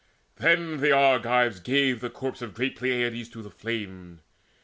Then the Argives gave The corpse of great Peleides to the flame.